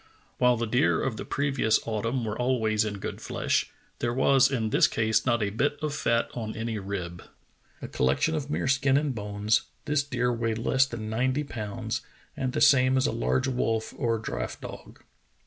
While the deer of the previous autumn were always In good flesh, there was in this case not a bit of fat on any rib. A collec How Woon Won Promotion 109 tion of mere skin and bones, this deer weighed less than ninety pounds, about the same as a large wolf or draught dog.